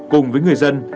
cùng với người dân